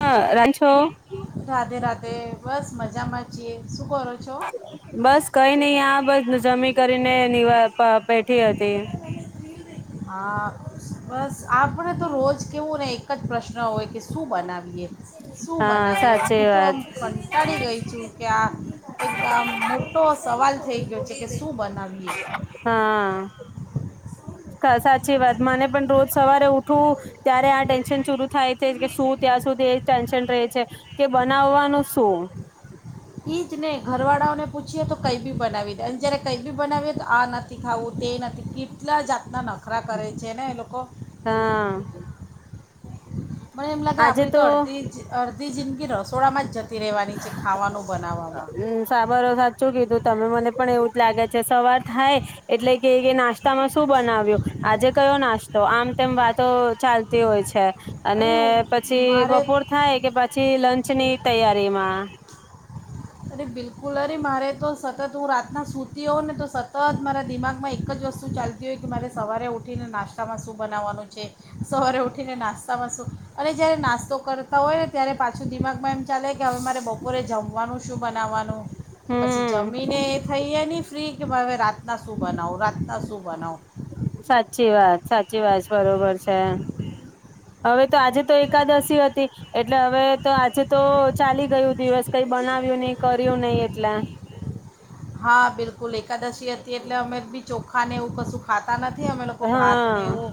હા રા છો તે બસ મજામાં છીએ. શું કરો છો બસ કઈ નહ આ બસ જમી કરીને વા બેઠી હતી. હા બસ આપણે તો રોજ કેવું ને એક જ પ્રશ્ન હોય કે શું બનાવે? અ [inaudible] શું હા બનાવ્યો સાચી હું તો વાત આમ કંટાળી ગઈ છું કે આ એક આમ મોટો સવાલ થઈ છે. શું બનાવીએ હા. સાચી વાત મને પણ રોજ સવારે ઉઠવું ત્યારે આ ટેન્શન સુરું થાય. કે શું ત્યાં સુુંધ કે બનાવવાનું શું? ઈ જ નહી ઘર વાળાઓને પૂછીએ તો કઈ બી બનાવી દે અને જયારે કઈ બી બનાવીએ આ નથી ખાઉ તે નથી કી જાત રના નખરા કરે છે ને એ લોકો હા મને એમ લાગે આપડી તો અડધી જ ત જિંદકી રસોડા માજ જ જતી રહેવાની છે ખાવાનું બનાવવામાં મ સાબર સાચું કીધું. તમે મને પણ એવું જ લાગે છે સવાર થાય એટલે કે કે નાસ્તામાં શું બનાવ્યું આજે કયો નાસ્તો આમ તેમ વાતો ચાલતી હોય છે. અરે અને પછી બપોર મારે થાય કે પછી લંચ ની તૈયારી માં કુલરી મારે તો સતત હું રાતના સૂતી હોઉં ને તો સતત મારા દિમાગમાં એક જ વસ્તુ ચાલતી હોય કે મારે સવારે ઉઠીને નાસ્તામાં શું બનાવવાનું છે સવારે ઉઠીને નાસ્તામાં શું અને જ્યારે નાસ્તો કરતા હોય ને ત્યારે પાછું દિમાગમાં એમ ચાલે કે હવે મારે બપોરે જમવાનું શું બનાવવાનું પછી હમ જમીને એ થઈ એ ફ્રી કે ભાવવે રાત્ર શ સુ બનાવ રાતના સુ વનો સાચી વાત સાચી વાત બરોબર છે હવે તો આજે તો એકાદશી હતી. એટલે હવે તો આજે તો ચાલી ગયું દિવસ કઈ બનાવ્યું નહી કર્યું નહી એટલે હા બિલકુલ એકાદશી હતી એટલે અમે બી ચોખા ને એવું કશું ખાતા નથી. અમે લોકો ભાત હા ને એવું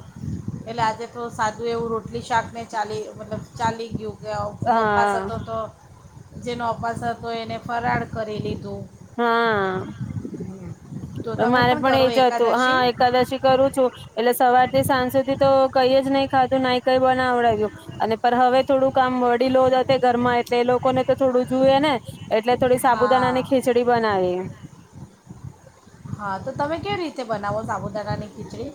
એટલે આજે તો. સાધું એવું રોટલી શાકને ચાલી મતલબ ચાલી ગયું. જે ઓપ્પાસ હા હતો તો. જેનો અપાસ હતો એને ફરાર કરી લીધું. હા તો તમે મારે પણ કરો એજ હતું હા એકાદશી એકાદશી કરું છું એટલે સવારથી સાંજ સુધી તો. કઈ જ નહી ખાધું નઈ કઈ બનાવડું અને હવે થોડું કામ વડી લોધ ઘરમાં એટલે એ લોકોને તો થોડું જોઈએ ને એટલે થોડી સાબુદાણા ની હા ખીચડી બનાવી. હા તો તમે કેવી રીતે બનાવો સાબુદાણાની ખીચડી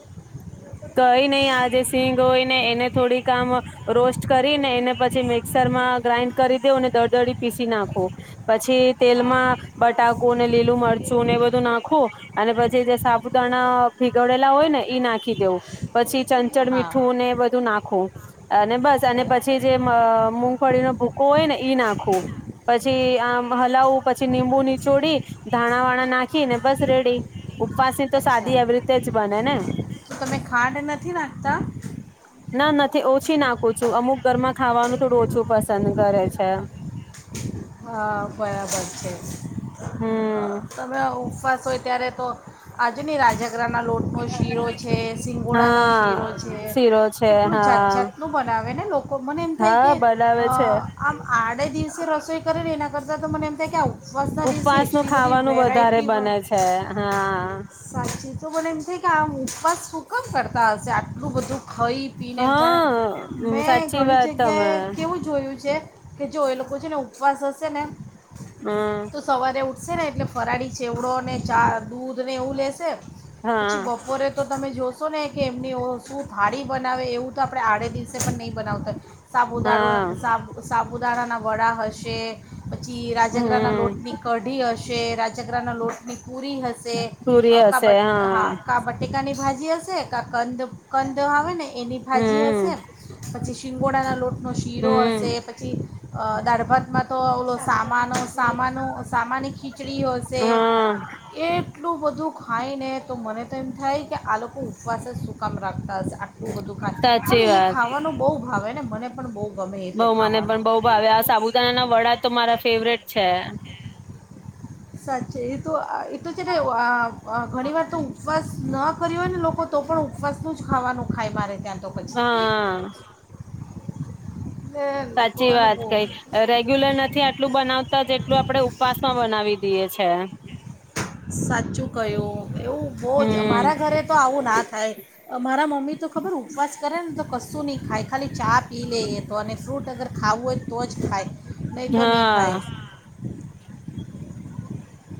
કઈ નહી આ જે સિંગ હોય ને એને થોડીક આમ રોસ્ટ કરીને એને પછી મિક્સરમાં ગ્રાઇન્ડ કરી દે ને દળદડી પીસી નાખો. પછી હા તેલમાં બટાકુ ને લીલું મરચું એ બધું નાખવું. અને પછી જે સાબુદાણા ભીગડેલા હોય ને ઈ નાખી દેવું. પછી. ચંચળ હા મીઠું ને બધું નાખવું. અને બસ અને પછી બરાબર જે. ફળીનો ભૂકો હોય ને ઈ નાખવું પછી આમ હલાવું પછી ીંબુ નીચોડી ધાણા વાણા નાખીને બસ રેડી ઉપવાસી. અચ્છા તો તમે ખાંટ. નથી નાખતા. ના નથી ઓછી નાખું છું અમુક ઘરમાં ખાવાનું થોડું ઓછું પસંદ કરે છે. હા બરાબર છે. હ હમ તમે આવું. હોય ત્યારે તો. આજુની રાજાગ્રના લોટનો શીરો છે સિંગોડાનો હા શીરો છે શીરો છે કેટલું જાત હા જાતનું બનાવે ને લોકો મને એમ થાય કે હા બનાવે છે આમ આડે દિવસે રસોઈ. એના કરતા તો મને એમ ક કે આવું. ઉપવાસ દસે ઉપવાસ નું એટલી બધી ખાવાનું વધારે વેરાયટી વા બને છે હા સાચી તો બને એમ કે આમ ઉપવાસ ફૂક કરતા. તશે આટલું બજું. ખાઈ પીને એ જાણે હા મેં સાચી ઘણી વાત તમે જગ્યાએ કેવું જોયું છે. કે જો એ લોકો છે ને. પાસ. મ હમ તું સવારે ઉઠ. હશે ને એટલે ફરાળ છેવડો ને ચા દૂધ ને એવું લેશે. પછી હા બપોરે તો તમે જોશો. શને કે એમની ઓ શૂટ. ભાડી બનાવે એવું તો આપણે આડે દિવસે પણ નહીં બનાવતા. હા સાબુદાારું સાુ સાબુદ. દાડા ના વડા હોય. પછી રાજગ્રના હમ લોટની કઢી હશે રાજગ્રના લોટની પુરી હશે પૂરી કા હશે બ હા કા બટેકાની ભાજી. આશે એક કા. કંદ કંદ આવે ને એની ભાજી હમ હશે પછી શિંગોડાના લોટનો શીરો હમ હશે પછી દાળ ભાત. તો ઓલો. સામાનો સામાનો સામાન ખીચડી હશે હા એટલું બધું ખાઈને તો મને. ત તેમમ થઇ. આલુકો ઉપવાસ સુૂકાા મળ. વા [unintelligible] બું બધું ખાય પણ સાચી એ વાત ખાવાનું બહ. ભાવે ને મને પણ બ. બઉ મને પણ બઉ ભાવે આ સાબુ. ના વડા તો મારા ફેવરેટ છે. સાચ એ તો. એ તો છે ભાઈ ઘણી વાર તો ઉપવાસ ન. કર ને લોકો. તો પણ ઉપવાસ નું જ ખાવાનું ખાય મારે ત્યાં તો પછી. હા એટલે સાચી લોકોને વાત બહુ કઈ. રેગ્યુલર નથી આટલું બનાવતા જેટલું આપડણે ઉપવાસમાં બનાવી દઈે છે સાચું કહ્યું એવું બહુ જ હમ. અમારા ઘરે તો આવું ના થાય મારા મમ્મી તો ખબર ઉપવાસ કરે ને તો કશું નહીં ખાય ખાલી ચા પી લેએ તો અને ફ્રૂટ અગર. ખાવું હોય તો જ. ખાય નહીં તો નહીં ખાય. હા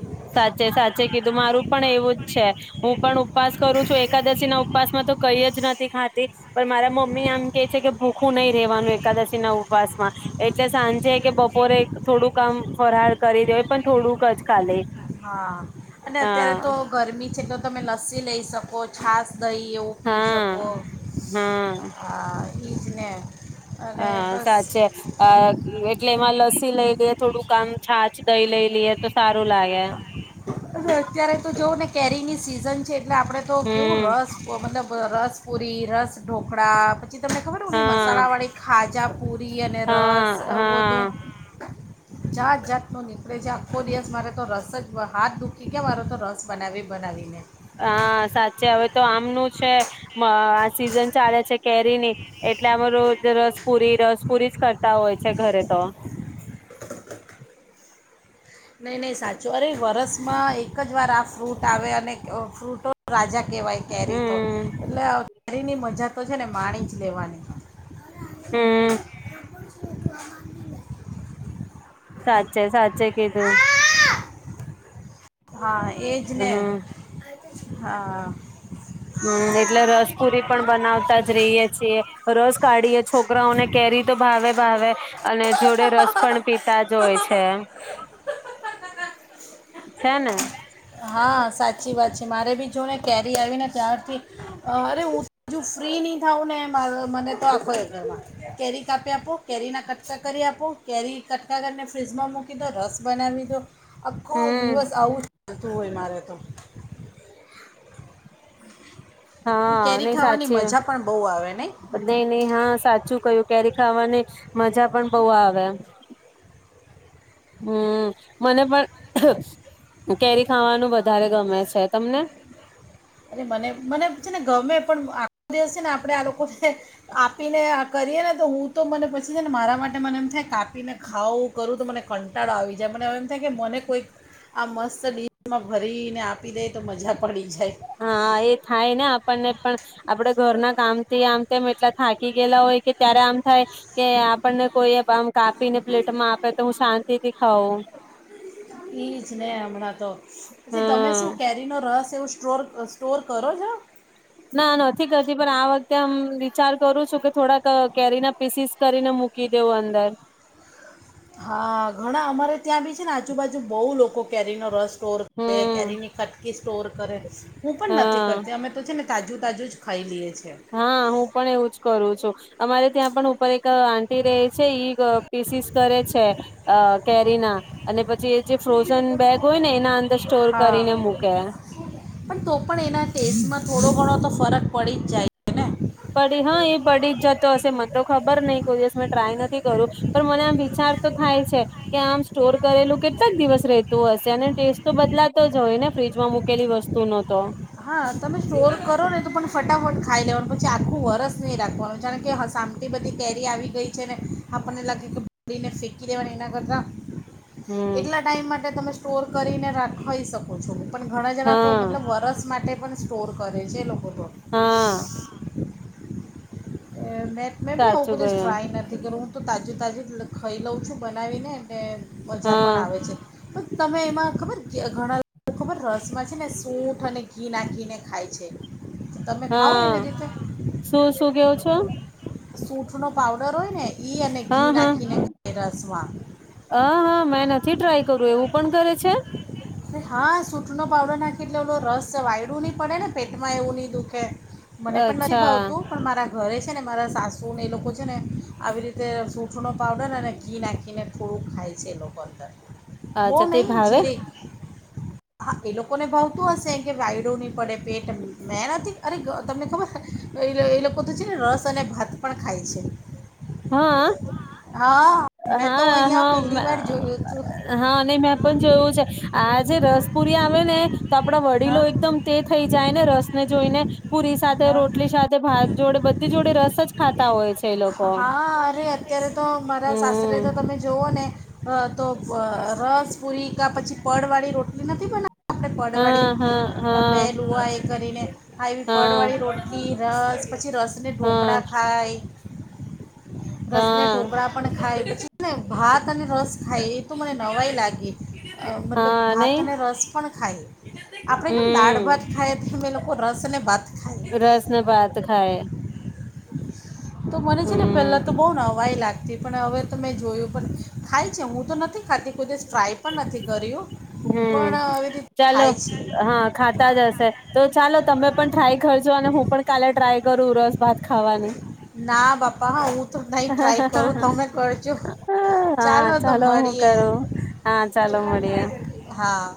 [inaudible] સાચે સાચે કીધું મારું પણ એવું જ છે હું પણ ઉપવાસ કરું છું એકાદશી ના ઉપવાસમાં તો કઈ જ નથી ખાતી પણ મારા મમ્મી આમ કે છે કે ભૂખું નહીિ રેવાનું એકાદશી ના ઉપવાસમાં એટલે સાંજે કે બપોરે થોડુંક કામ ફરહાર કરી દે પણ થોડુંક જ ખાલી. હા અને અત્યારે હા તો ગરમી છે તો તમે લસ્સી લઈ શકો. ઓ છાસ. દહી એવું પી હા શકો. હા બઇજને. હા સાચ છે એટલે એમાં લસ્સી લઈ લે થોડુંક કામ છા. દહી લઈ લઈએ તો સારું લાગે. કેરી ની સીઝન છે. એટલે આપણે તો કેવું હમ રસ મતલબ રસ. પુરી રસ ઢોકળા પછી. તમને ખબર હા મસાલા વાળી ખાજા પુરી અને હા રસ બધું. હા જાત જાત પણની. આપણે જે આખો દિવસ મારે તો રસ જ હાથ દુઃખી કેયા મારો તો રસ બનાવી બનાવીને. હા સાચે હવે તો આમનું છે. આ સિઝન ચાલે છે કેરી ની એટલે આમાં રોજ રસપુરી રસપુરી જ કર. તા હોય છે ઘરે તો. નહી નહી, સાચું અરે વરસમાં એક જ વાર આ ફ્રૂટ આવે અને ફ્રૂટો રાજા. કેવાય કેરી તો હમ એટલે. શરીની મજા તો છે. ને માણી જ લેવાની. હમ્મ, [inaudible] સાચે સાચે કીધું. હા એ જ ને હમ હા હમ એટલે રસપુરી પણ બનાવતા જ રહીય છીએ રસ કાઢીએ છોકરાઓને કેરી તો ભાવે ભાવે અને જોડે. રસ પણણ પીતા જ હોય છે ને. હા, સાચી વાત છે. મારે બી જો ને કેરી આવીને ત્યારથી, અરે હું હજું ફ્રી નહીં, થઉું ને મા મને તો આખો ઘરમાં કેરી કાપી આપો કેરીના કટકા કરી આપો, કેરી કટકા કરીને ફ્રીજમાં મૂકી દો રસ બનાવી દો. આખો હમ દિવસ આવું. તોંય હોય મારે તો. હા કેરી નઈ ખાવાની સાચે મજા પણ બહુ આવે નહીં બધા નહી હા સાચું કયું ક્યારે ખાવાની. મજા પણ બહુ આવે. હમ મને પણ કેરી ખાવાનું વધારે ગમે છે તમને. અરે મને મને છે ને ગમે પણ આ દિવસ. ને આપડે આ લોકો. આપીને આ કરીએ ને તો હું તો મને પછી છે ને મારા માટે મને એમ થાય કાપીને ખાાવં કરું તો મને કંટાળો આવી જાય મને હ એમ થાય કે મને કોઈક આ મસ્ત ડડીશમાં ભરીને આપી દે તો મજા પડી જાય. હા એ થાય ને આપણને પણ આપડે ઘરના કામ થી આમ. એ થાકી ગયેલા હોય કે ત્યારે આમ થાય કે આપણને કોઈ કાપીને પ્લેટમાં આપે તો હું શાંત તેથી ખાઓ. એ છેને હણા તો. પછી તમે હમ શું કેરી નો રસ એવું. ્ટ સ્ટોર કરો જ. ના નથી કરતી પણ આ વખતે આમ વિચાર કરું છું કે થોડાક કેરી ના પીસીસ કરીને મૂકી દેવું અંદર. હા ઘણા અમારે ત્યાં બી છે ને આજુબાજુ બહુ લોકો કેરીનો રસ. સ્ટોર હમ કેરીની ખટકી. સ્ટોર કરે. હું પણ નથી હા કરતી અમે તો છે ને. તાજુ, તાજુ જ ખાઈ લઈએ છીએ હા, હું પણ એવું જ કરું છું, અમારે ત્યાં પણ ઉપર એક એક આંટી રે છે ઈ પીસીસ કરે છે અ કેરીના અને પછી જે ફ્રોઝન બેગ હોય ને એના અંદર સ્ટોર કરીને હા મૂકે પણ તો પણ એના ટેસ્ટમાં થોડો તો ફરક પડી જ જાયને પડી હા એ પડી જ જતો હશે મન તો ખબર નહી! કોઈ દિવસ મેં ટ્રાય નથી કરું પણ મને આમ વિચાર તો થાય છે, કે આમ સ્ટોર કરેલું કેટલાક દિવસ રેતું હશે અને ટેસ્ટ તો બદલાતો જ હોય ને ફ્રીજમાં મુૂકેલી વસ્તુનો તો હા, તમે સ્ટોર કરો ને તો પણ ફટાફટ ખાઈ લેવાનું, પછી આખું વરસ નહી રાખવાનું જાણ કે સામટી બધી કેરી આવી ગઈ છે ને આપણને લાગે [inaudible] કેીને ફેંકી દેવાની એના કરતા હમ એટલા ટાઈમ માટે તમે સ્ટોર કરીને રાખાઈ શકો ઓછો, પણ ઘણા જણા તો હા મતલબ વરસ માટે પણ સ્ટોર કરે છે એ લોકો પભો હા [unintelligible] હા [unintelligible] મે મેંબી મે આવુ સાચું કોઈ દિવસ કયું ટ્રાય નથી કર્યું તાજું તાજું ખાઈ લઉં છું, બનાવીને અને મજા હા પણ આવે છે. પણ તમે એમાં ખબર ઘણા ખબર રસમાં છે ને સૂઠ અને ઘી નાખીને ખાય છે. તો હા, શું શું કેવો છો સૂઠ નો પાવડર પ ન [inaudible] હા હા હ હા મેં નથી ટ્રાય ખરું, એવું પણ કરે છે હા સૂઠ નો પાવડર નાખી એટલે એલો રસ છે વાયડું નહી પડે ને પેટમાં એવું ની દુખે મને પણ નથી અચ્છા ભાવતું પણ મારા ઘરે છે ને મારા સાસુને એ લોકો છે ને આવી રીતે સૂંઠ નો પાવડર અને ઘી નાખીને થોડું ખાય છે એ લોકો અંદર બહુ અચ્છા તે નહીં ભાવે જીરીક હા, એ લોકોને ભાવતું હશે કે વાયડું નહી પડે પેટ મે નથી, અરે તમને ખબર એ લોકો તો છે ને રસ અને ભાત પણ ખાય છે. હાઅ હા મેં તો અહીયા પહેલી વાર જોયું તું. હા, અને મેં પણ જોયું છે આજે રસપુરી આવે ને તો આપડા હા વડીલો એકદમ તે થઈ જાય ને રસ ને જોઈને પુરી સાથે હા રોટલી સાથે ભાત જોડે બધી જોડે રસ જ ખાતા હોય છે. એ લોકો હા અરે અત્યારે તો મારા શસ્રે તો હમ તમે જોઓ ને... તો રસ પુરી પછી પડ વાળી રોટલી નથી બ. આપણે હા હા પડવાડી હા બેલું એ કરીને આવી હા પડવાડી રોટલી રસ. પછી રસને ઢોકળા હા ખાય. રસ ને હા ઢોકળા પણ ખાય... ભાત અને રસ ખાય એ તો મને નવાઇ લાગી. મતલબ હા ભાત નહી અને રસ પણ- થાય. આપડે કેમ દાળ ભાત હમ થાય- રસ ને ભાત. ખાય રસ ભાત ખાાય. તો મને છે ને હમ પેલા તો બહુ નવાઈ લાગતી પણ હવે ત મેં જોયું. પણ ખાય છે હું તો નથી ખાતી કોઈ દિવસ ટ્રાય પણ નથી કર્યું. હમ પણ આવી રીતે ચાલો ખાય છે હા ખાતા જ હશે તો ચાલો તમે પણ ટ્રાય કરજો અને હું પણ. કાલે ટ્રાય કરું રસ ભાત ખાવાની. ના બાપા હા હું તો નહીં ટ્રાય કરું તમે કરજો હા તો ચાલો હું મળીએ કરું હા ચાલો મળીએ. હા.